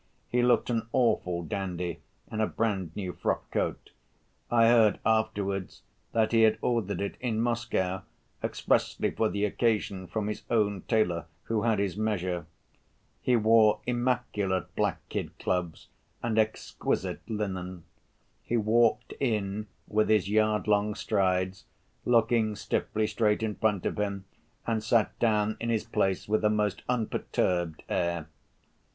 He looked an awful dandy in a brand‐new frock‐coat. I heard afterwards that he had ordered it in Moscow expressly for the occasion from his own tailor, who had his measure. He wore immaculate black kid gloves and exquisite linen. He walked in with his yard‐long strides, looking stiffly straight in front of him, and sat down in his place with a most unperturbed air.